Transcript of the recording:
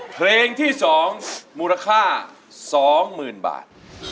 เพลงที่๒มูลค่า๒๐๐๐๐บาท